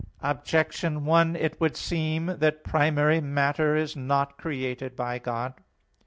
Objection 1: It would seem that primary matter is not created by God.